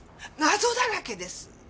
謎だらけです。